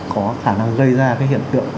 có khả năng gây ra cái hiện tượng